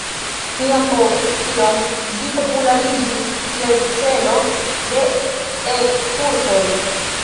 Iom post iom ĝi populariĝis kiel celo de ekskursoj.